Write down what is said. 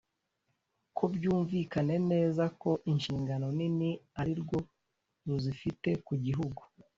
ko byumvikane neza ko inshingano nini ari rwo ruzifite ku gihugu